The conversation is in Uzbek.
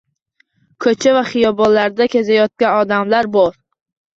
Ko’cha va xiyobonlarda kezayotgan odamlar bor.